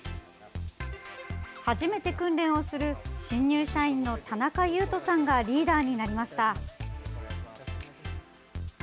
初めて訓練をする新入社員の田中雄登さんがリーダーになりました。